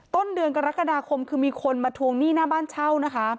ต้นเดือนกรกฎาคมคือมีคนมาทวงหนี้หน้าบ้านเช่านะคะ